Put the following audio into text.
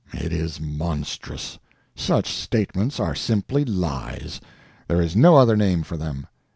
It is monstrous. Such statements are simply lies there is no other name for them.